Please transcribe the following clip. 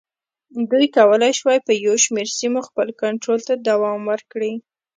دوی کولای شوای په یو شمېر سیمو خپل کنټرول ته دوام ورکړي.